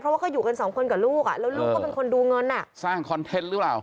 เพราะว่าก็อยู่กันสองคนกับลูกอ่ะแล้วลูกก็เป็นคนดูเงินอ่ะสร้างคอนเทนต์หรือเปล่า